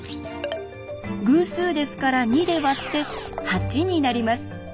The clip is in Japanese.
偶数ですから２で割って８になります。